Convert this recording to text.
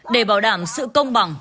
để bảo đảm sự công bằng